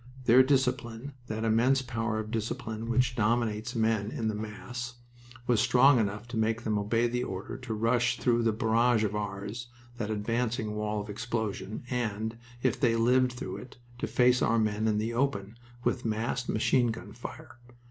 Their discipline, that immense power of discipline which dominates men in the mass, was strong enough to make them obey the order to rush through that barrage of ours, that advancing wall of explosion and, if they lived through it, to face our men in the open with massed machine gun fire.